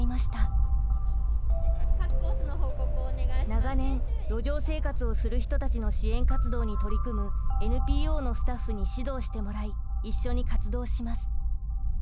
長年路上生活をする人たちの支援活動に取り組むＮＰＯのスタッフに指導してもらい一緒に活動します。